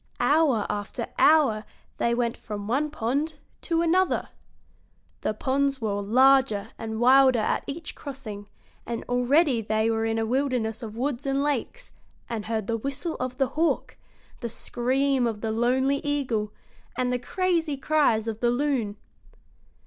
Hour after hour they went from one pond to another. The ponds were larger and wilder at each crossing, and already they were in a wilderness of woods and lakes, and heard the whistle of the hawk, the scream of the lonely eagle, and the crazy cries of the loon.